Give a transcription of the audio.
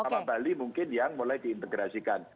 sama bali mungkin yang mulai diintegrasikan